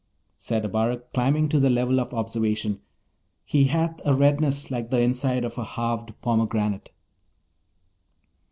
Said Abarak, climbing to the level of observation, 'He hath a redness like the inside of a halved pomegranate.'